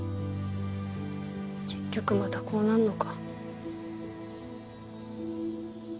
結局またこうなんのか。